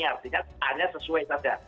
artinya hanya sesuai saja